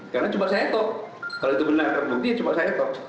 karena cuma saya toh kalau itu benar kalau buktinya cuma saya toh